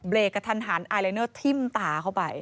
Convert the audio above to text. กระทันหันไอลายเนอร์ทิ้มตาเข้าไป